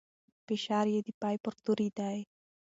فشار يې د پای پر توري دی.